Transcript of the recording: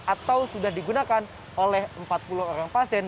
atau sudah digunakan oleh empat puluh orang pasien